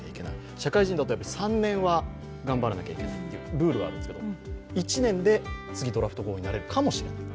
社会人だと３年は頑張らなきゃいけないというルールがあるんですけど１年で次、ドラフト候補になれるかもしれない。